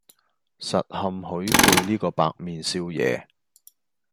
實堪許配呢個白面少爺